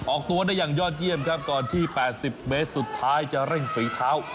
ออกตัวได้อย่างยอดเยี่ยมครับก่อนที่๘๐เมตรสุดท้ายจะเร่งฝีเท้า